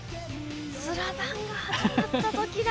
「スラダン」が始まった時だ。